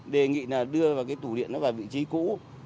đề nghị là đưa vào cái tủ điện nó vào vị trí cũ